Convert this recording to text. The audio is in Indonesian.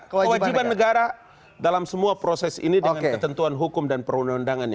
kewajiban negara dalam semua proses ini dengan ketentuan hukum dan perundangan yang ada